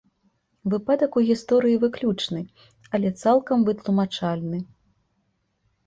Выпадак у гісторыі выключны, але цалкам вытлумачальны.